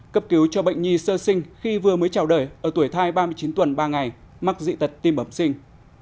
cấp cứu cho bệnh nhi sơ sinh khi vừa mới chào đời ở tuổi thai ba mươi chín tuần ba ngày mắc dị tật tim bẩm sinh